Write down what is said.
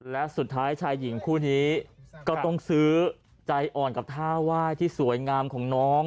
และสุดท้ายชายหญิงคู่นี้ก็ต้องซื้อใจอ่อนกับท่าไหว้ที่สวยงามของน้อง